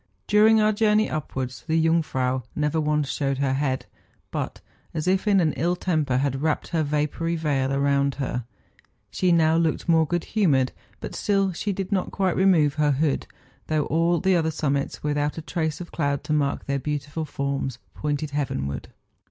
During our journey upwards, the Jungfrau never once showed her head, but, as if in ill temper, had wrapped her vapoury veil around her. She now looked more good humoured, but still she did not quite remove her hood, though all the other summits, without a trace of cloud to mark their beautiful forms, pointed heavenward.